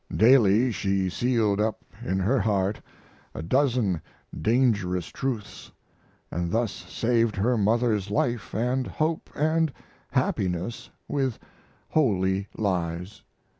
Daily she sealed up in her heart a dozen dangerous truths, and thus saved her mother's life and hope and happiness with holy lies.